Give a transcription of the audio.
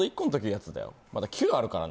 まだ９あるからね。